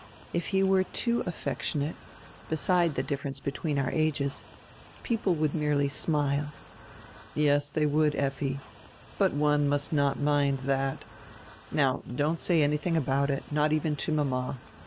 If he were too affec tionate — beside the difference between our ages — people would merely smile." "Yes, they would, Effi. But one must not mind that Now, don't say anything about it, not even to mama.